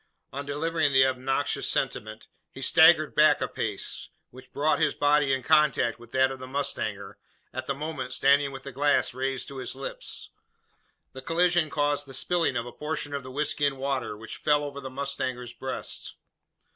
On delivering the obnoxious sentiment, he staggered back a pace; which brought his body in contact with that of the mustanger at the moment standing with the glass raised to his lips. The collision caused the spilling of a portion of the whisky and water; which fell over the mustanger's breast.